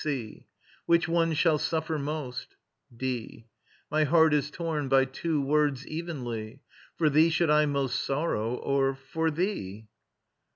C Which one shall suffer most? D. My heart is torn by two words evenly, For thee should I most sorrow, or for thee?